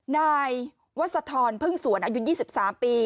นายวัศธรพึ่งสวนอายุ๒๓ปี